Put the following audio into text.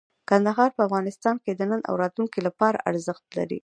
کندهار په افغانستان کې د نن او راتلونکي لپاره ارزښت لري.